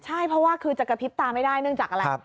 ใช่เพราะว่าคือจะกระพริบตาไม่ได้เนื่องจากอะไร